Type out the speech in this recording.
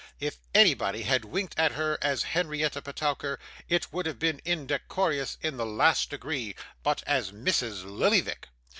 If anybody had winked at her as Henrietta Petowker, it would have been indecorous in the last degree; but as Mrs. Lillyvick!